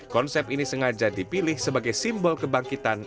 konsep ini sengaja dipilih sebagai simbol kebangkitan